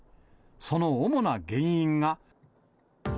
その主な原因が。